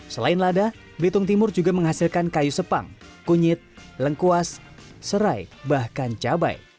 selain lada belitung timur juga menghasilkan kayu sepang kunyit lengkuas serai bahkan cabai